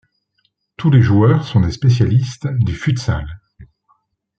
Tous les joueurs sont des spécialistes du futsal.